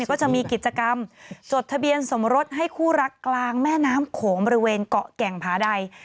ก็จะมีกิจกรรมจดทะเบียนสมรสให้คู่รักกลางแม่น้ำโขงบริเวณเกาะแก่งผาใด